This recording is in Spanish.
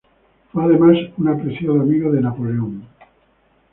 Fue además un apreciado amigo de Napoleón.